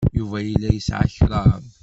Yuba yella yesɛa kraḍ.